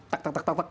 tak tak tak tak tak